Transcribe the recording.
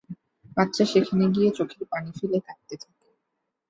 বাচ্চা সেখানে গিয়ে চোখের পানি ফেলে কাঁদতে থাকে।